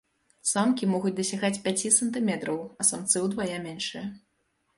Самкі могуць дасягаць пяці сантыметраў, самцы ўдвая меншыя.